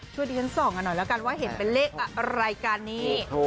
ช่วยดิฉันส่องอ่ะหน่อยแล้วกันว่าเห็นเป็นเลขอ่ะรายการนี้ถูกถูก